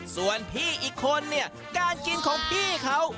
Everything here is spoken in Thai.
ส่วนพี่อีกคนเนี่ยการกินของพี่เขา